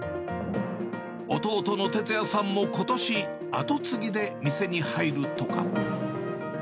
弟の哲也さんもことし、後継ぎで店に入るとか。